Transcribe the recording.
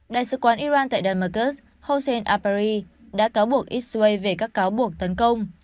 đại sứ quán iran tại damascus hossein abari đã cáo buộc israel về các cáo buộc tấn công